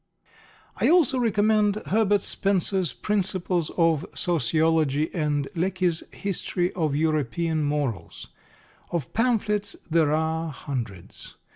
I also recommend Herbert Spencer's Principles of Sociology and Lecky's History of European Morals. Of pamphlets there are hundreds.